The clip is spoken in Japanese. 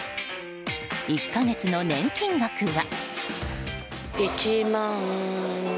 １か月の年金額は。